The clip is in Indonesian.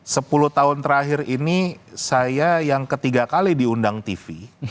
sepuluh tahun terakhir ini saya yang ketiga kali diundang tv